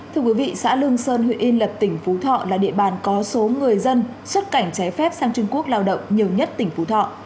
thưa quý vị xã lương sơn huyện yên lập tỉnh phú thọ là địa bàn có số người dân xuất cảnh trái phép sang trung quốc lao động nhiều nhất tỉnh phú thọ